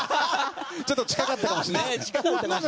ちょっと近かったかもしれないです。